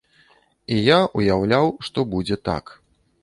І я ўяўляў, што будзе так.